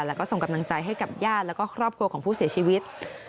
แล้วก็ส่งกำลังใจให้กับญาติแล้วก็ครอบครัวของผู้เสียชีวิต